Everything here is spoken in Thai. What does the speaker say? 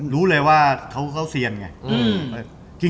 รู้เลยว่าเขาเซียนไง